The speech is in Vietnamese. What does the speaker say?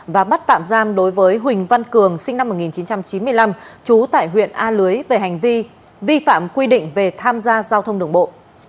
và bắt tạm giam đối với huỳnh văn cường sinh năm một nghìn chín trăm chín mươi năm trú tại huyện a lưới về hành vi vi phạm quy định về tham gia giao thông đường bộ